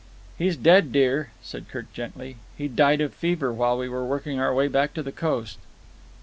"He's dead, dear," said Kirk gently. "He died of fever while we were working our way back to the coast."